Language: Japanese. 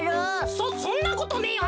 そそんなことねえよ。